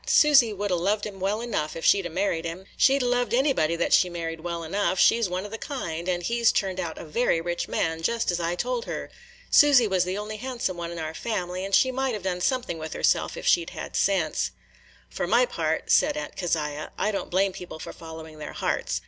Susy would 'a' loved him well enough if she 'd 'a' married him. She 'd 'a' loved anybody that she married well enough, – she 's one of the kind; and he 's turned out a very rich man, just as I told her. Susy was the only handsome one in our family, and she might have done something with herself if she 'd had sense." "For my part," said Aunt Keziah, "I can't blame people for following their hearts.